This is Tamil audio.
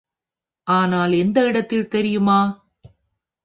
ஆனால், எந்த இடத்தில் தெரியுமா?